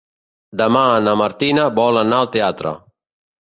Demà na Martina vol anar al teatre.